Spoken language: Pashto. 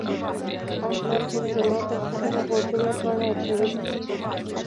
احمد تل زما پر خبره غوږونه ګاڼه اچوي.